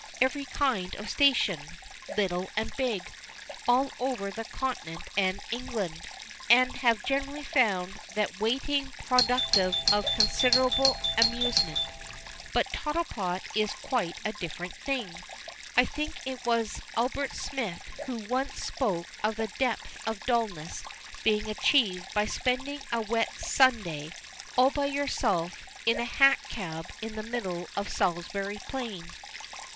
Every kind of station, little and big, all over the Continent and England, and have generally found that waiting productive of considerable amusement. But Tottlepot is quite a different thing. I think it was Albert Smith who once spoke of the depth of dulness being achieved by "spending a wet Sunday, all by yourself, in a hack cab in the middle of Salisbury Plain."